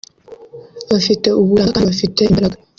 bafite uburanga kandi bafite imbaraga